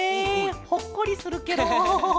ほっこりするケロ。